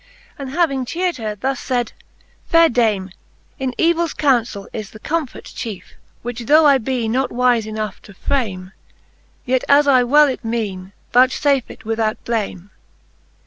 And having cheared her, thus faid ; Faire dame> In evills counfell is the comfort chiefe, Which though I be not wife enough to frame. Yet as I well it meane, vouchfafe it without blame.